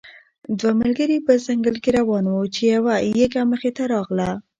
دوه ملګري په ځنګل کې روان وو چې یو یږه مخې ته راغله.